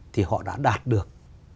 thì họ đã đạt được